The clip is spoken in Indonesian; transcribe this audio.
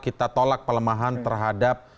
kita tolak pelemahan terhadap